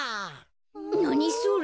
なにそれ。